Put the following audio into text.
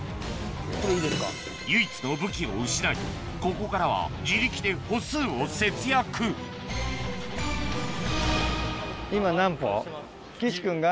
唯一の武器を失いここからは自力で歩数を節約岸君が？